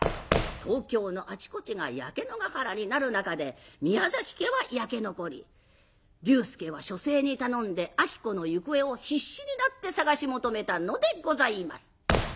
東京のあちこちが焼け野が原になる中で宮崎家は焼け残り龍介は書生に頼んで子の行方を必死になって捜し求めたのでございます。